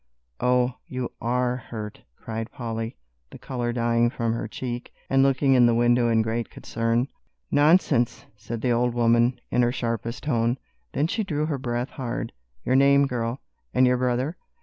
"Oh, you are hurt!" cried Polly, the color dying from her cheek, and looking in the window in great concern. "Nonsense!" said the old woman, in her sharpest tone. Then she drew her breath hard. "Your name, girl, and your brother?"